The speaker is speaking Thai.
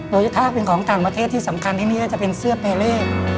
โดยถ้าเป็นของต่างประเทศที่สำคัญที่นี่ก็จะเป็นเสื้อแพรเล่